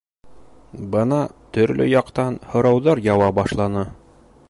Бына төрлө яҡтан һорауҙар яуа башланы.